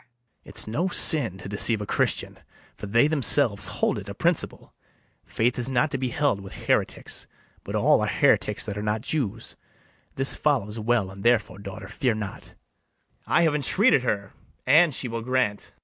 BARABAS. It's no sin to deceive a Christian; For they themselves hold it a principle, Faith is not to be held with heretics: But all are heretics that are not Jews; This follows well, and therefore, daughter, fear not. [Aside to her.] I have entreated her, and she will grant.